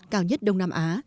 cao nhất đông nam á